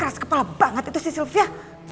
keras kepala banget itu si sylvia